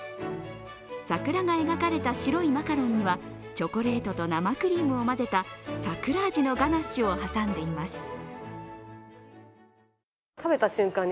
桜が描かれた白いマカロンにはチョコレートと生クリームを混ぜた桜味のガナッシュを挟んでいます。